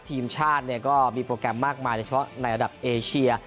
ทีมชาติก็มีโปรแกรมมากมายเฉพาะในระดับเอเชีย